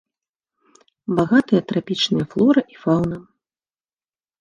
Багатыя трапічныя флора і фаўна.